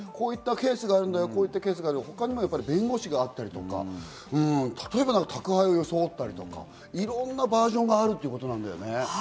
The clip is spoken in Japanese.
こういったケースがある、ほかにも弁護士があったりとか、例えば宅配を装ったりとか、いろんなバージョンがあるってことなんだよね。